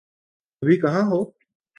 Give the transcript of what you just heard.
ابھی کہاں ہو؟